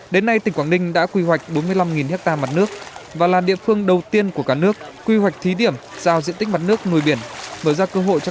đến nay tỉnh quảng ninh đã quy hoạch bốn mươi năm ha mặt nước và là địa phương đầu tiên của cả nước quy hoạch thí điểm giao diện tích mặt nước nuôi biển mở ra cơ hội cho các